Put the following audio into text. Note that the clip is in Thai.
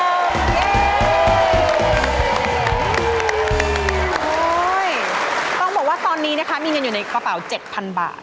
โอ้โหต้องบอกว่าตอนนี้นะคะมีเงินอยู่ในกระเป๋า๗๐๐บาท